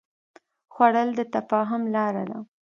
خوړل د تفاهم لاره ده